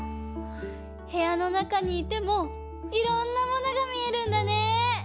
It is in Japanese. へやのなかにいてもいろんなものがみえるんだね！